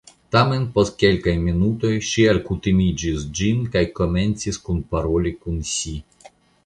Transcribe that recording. Tamen post kelkaj minutoj ŝi alkutimiĝis ĝin, kaj komencis kunparoli kun si.